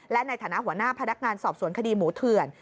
และในฐานะหัวหน้าพนักงานสอบสวนคดีหมูเถื่อน